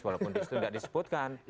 walaupun di situ tidak disebutkan